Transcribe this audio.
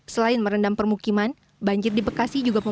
selain merendam permukiman banjir di bekasi juga